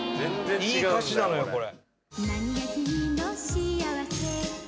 いい歌詞なのよ、これ。